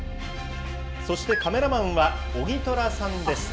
そしてカメラマンは小城虎さんです。